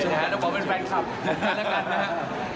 สมมุติว่าผมเป็นแฟนคลับ